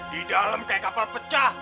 di dalam kayak kapal pecah